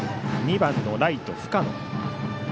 ２番のライト、深野。